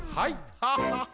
ハハハハ。